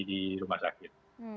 di rumah sakit